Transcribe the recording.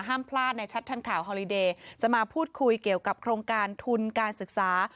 พลาดในชัดทันข่าวฮอลิเดย์จะมาพูดคุยเกี่ยวกับโครงการทุนการศึกษา